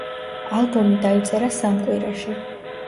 ალბომი დაიწერა სამ კვირაში.